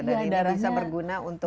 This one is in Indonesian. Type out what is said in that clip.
darahnya bisa berguna untuk